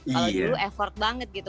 kalau dulu effort banget gitu